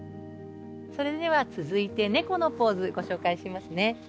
それでは続いて猫のポーズご紹介しますね。